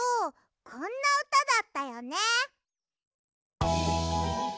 こんなうただったよね。